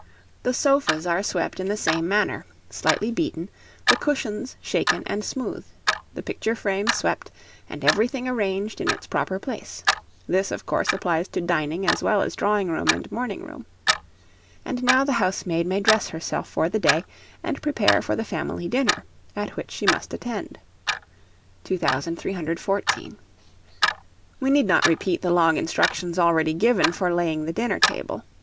The sofas are swept in the same manner, slightly beaten, the cushions shaken and smoothed, the picture frames swept, and everything arranged in its proper place. This, of course, applies to dining as well as drawing room and morning room. And now the housemaid may dress herself for the day, and prepare for the family dinner, at which she must attend. 2314. We need not repeat the long instructions already given for laying the dinner table.